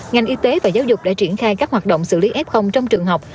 ngành y tế và giáo dục đã triển khai các hoạt động xử lý f trong trường học